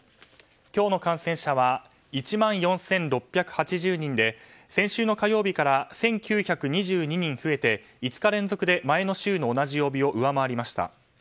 今日の感染者は１万４６８０人で先週の火曜日から１９２２人増えて５日連続で前の週の同じ曜日を上回りました。